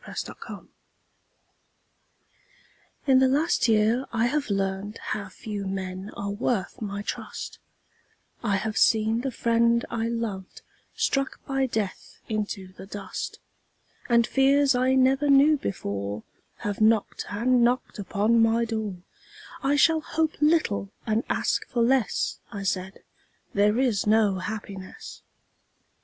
Red Maples In the last year I have learned How few men are worth my trust; I have seen the friend I loved Struck by death into the dust, And fears I never knew before Have knocked and knocked upon my door "I shall hope little and ask for less," I said, "There is no happiness."